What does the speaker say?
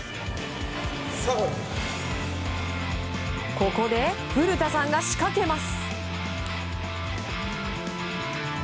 ここで古田さんが仕掛けます。